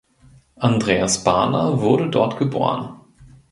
Andreas Barner wurde dort geboren.